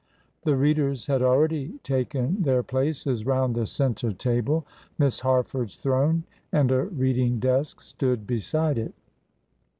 The readers had already taken their places round the centre table. Miss Harford's throne and a reading desk stood beside it.